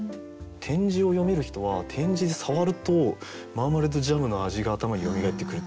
点字を読める人は点字で触るとママレードジャムの味が頭によみがえってくる。